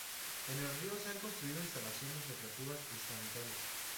En el río se han construido instalaciones recreativas y sanitarias.